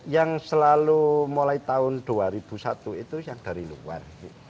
yang selalu mulai tahun dua ribu satu itu yang dari luar